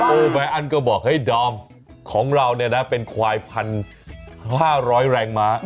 แมอันก็บอกเฮ้ยดอมของเราเนี่ยนะเป็นควาย๑๕๐๐แรงม้า